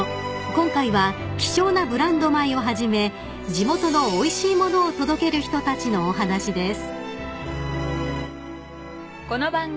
［今回は希少なブランド米をはじめ地元のおいしい物を届ける人たちのお話です］